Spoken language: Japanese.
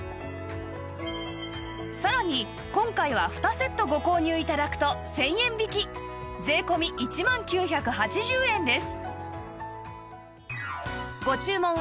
さらに今回は２セットご購入頂くと１０００円引き税込１万９８０円です